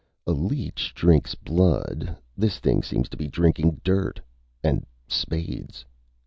"A leech drinks blood. This thing seems to be drinking dirt. And spades."